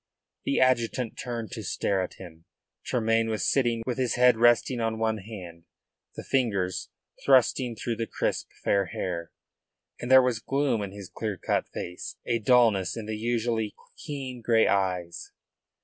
The adjutant turned to stare at him. Tremayne was sitting with his head resting on one hand, the fingers thrusting through the crisp fair hair, and there was gloom in his clear cut face, a dullness in the usually keen grey eyes.